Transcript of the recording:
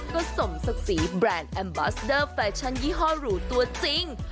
ก็สมศักดิ์ศรีแบรนด์แอมบอสเดอร์แฟชั่นยี่ห้อหรูตัวจริง